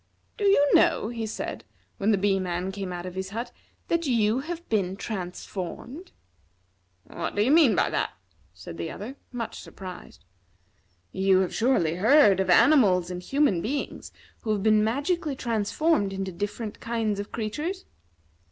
"Do you know," he said, when the Bee man came out of his hut, "that you have been transformed?" "What do you mean by that?" said the other, much surprised. "You have surely heard of animals and human beings who have been magically transformed into different kinds of creatures?"